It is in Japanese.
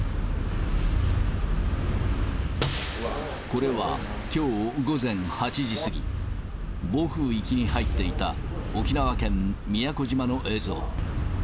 これはきょう午前８時過ぎ、暴風域に入っていた沖縄県宮古島の映像。